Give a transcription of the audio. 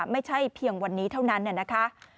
ไม่ใช่เพียงวันนี้เท่านั้นนะคะ